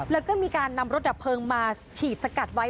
แล้วก็มีการนำรถดับเพลิงมาฉีดสกัดไว้